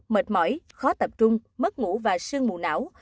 mệt mỏi khó tập trung mất ngủ và sương mù não